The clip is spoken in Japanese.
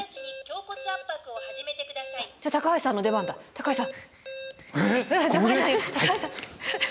高橋さん。